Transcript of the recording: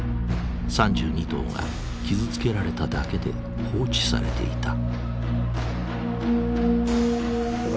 ３２頭は傷つけられただけで放置されていた。